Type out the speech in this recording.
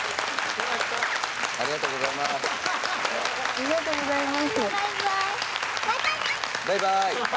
よっしゃありがとうございます